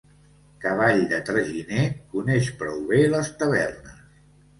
Cavall de traginer coneix prou bé les tavernes.